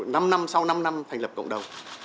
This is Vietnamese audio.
năm năm sau năm năm thành lập cộng đồng